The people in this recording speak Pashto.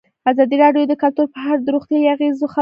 ازادي راډیو د کلتور په اړه د روغتیایي اغېزو خبره کړې.